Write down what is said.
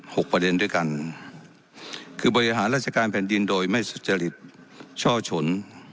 หกประเด็นด้วยกันคือบริหารราชการแผ่นดินโดยไม่สุจริตช่อฉน